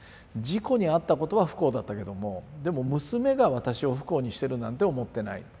事故に遭ったことは不幸だったけどもでも娘が私を不幸にしてるなんて思ってない。